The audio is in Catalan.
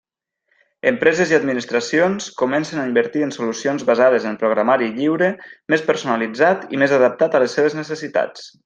Empreses i administracions comencen a invertir en solucions basades en programari lliure, més personalitzat i més adaptat a les seves necessitats.